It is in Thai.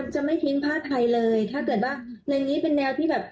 จะไม่ทิ้งผ้าไทยเลยถ้าเกิดว่าในนี้เป็นแนวที่แบบ